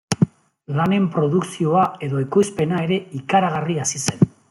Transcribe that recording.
Lanen produkzioa edo ekoizpena ere ikaragarri hazi zen.